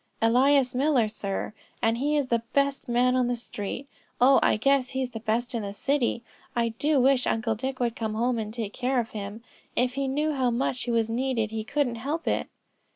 "Elias Miller, sir; and he is the best man on the street; oh I guess he's the best in the city. I do wish Uncle Dick would come home and take care of him. If he knew how much he was needed he couldn't help it."